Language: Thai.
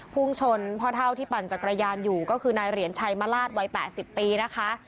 พุ่งชนพ่อเท่าที่ปั่นจักรยานอยู่ก็คือนายเหรียญชัยมลาศวัย๘๐ปีนะคะ